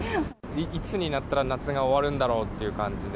いつになったら夏が終わるんだろうっていう感じで。